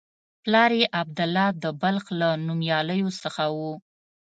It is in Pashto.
پلار یې عبدالله د بلخ له نومیالیو څخه و.